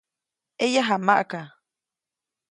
ʼEyajamaʼka.